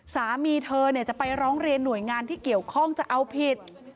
สามีเธอจะไปร้องเรียนหน่วยงานที่เกี่ยวข้องจะเอาผิด